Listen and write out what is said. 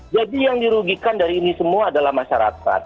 jadi yang dirugikan dari ini semua adalah masyarakat